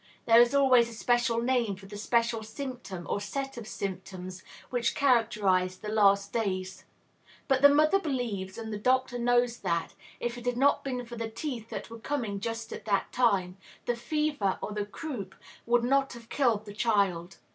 There is always a special name for the special symptom or set of symptoms which characterized the last days. But the mother believes and the doctor knows that, if it had not been for the teeth that were coming just at that time, the fever or the croup would not have killed the child.